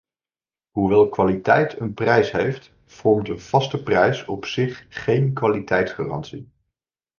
Hoewel kwaliteit een prijs heeft, vormt een vaste prijs op zich geen kwaliteitsgarantie.